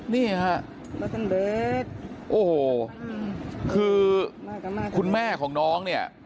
นี่ฮะโอ้โหคือคุณแม่ของน้องเนี่ย